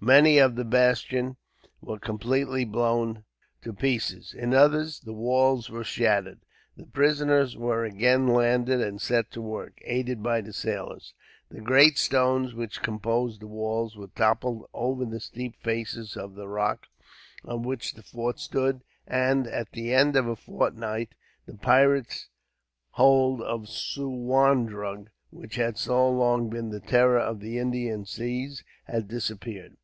Many of the bastions were completely blown to pieces. In others, the walls were shattered. The prisoners were again landed, and set to work, aided by the sailors. The great stones, which composed the walls, were toppled over the steep faces of the rock on which the fort stood; and, at the end of a fortnight, the pirate hold of Suwarndrug, which had so long been the terror of the Indian Seas, had disappeared.